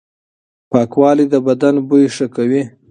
پاکوالي د بدن بوی ښه کوي.